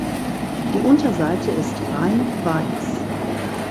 Die Unterseite ist rein weiß.